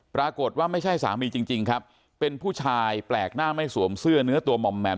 ปรากฏว่าไม่ใช่สามีจริงครับเป็นผู้ชายแปลกหน้าไม่สวมเสื้อเนื้อตัวมอมแมม